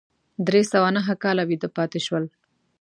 درې سوه نهه کاله ویده پاتې شول.